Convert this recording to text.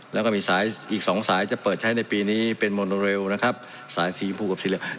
แล้วก็มีสายอีกสองสายจะเปิดใช้ในปีนี้เป็นโมโนเรลนะครับสายสีชมพูกับสีเหลือง